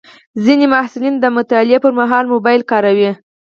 ځینې محصلین د مطالعې پر مهال موبایل کاروي.